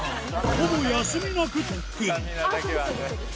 ほぼ休みなく特訓。